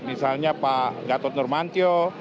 misalnya pak gatot nurmantio